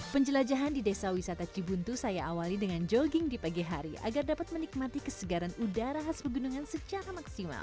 penjelajahan di desa wisata cibuntu saya awali dengan jogging di pagi hari agar dapat menikmati kesegaran udara khas pegunungan secara maksimal